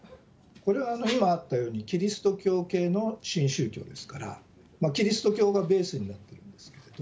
これは今、あったようにキリスト教系の新宗教ですから、キリスト教がベースになっています。